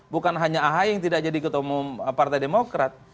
bukan hanya ahi yang tidak jadi ketemu partai demokrat